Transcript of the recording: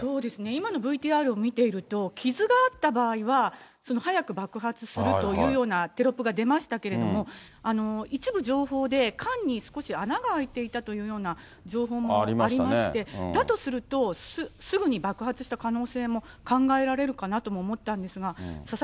今のＶＴＲを見ていると、傷があった場合は早く爆発するというようなテロップが出ましたけれども、一部情報で、缶に少し穴が開いていたというような情報もありまして、だとすると、すぐに爆発した可能性も考えられるかなとも思ったんですが、佐々